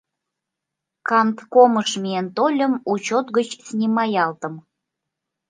Канткомыш миен тольым — учет гыч снимаялтым.